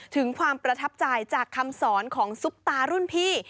ถึงความประทับใจจากคำสอนของซุปตารุ่นพี่